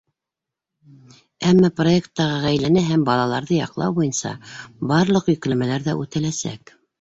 Әммә проекттағы ғаиләне һәм балаларҙы яҡлау буйынса барлыҡ йөкләмәләр ҙә үтәләсәк.